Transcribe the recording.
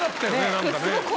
何かね。